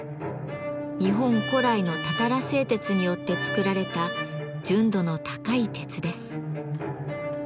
日本古来のたたら製鉄によって作られた純度の高い鉄です。